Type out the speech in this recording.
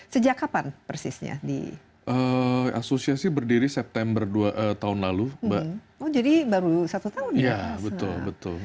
sejak kapan persisnya di asosiasi berdiri september dua tahun lalu mbak oh jadi baru satu tahun ya betul betul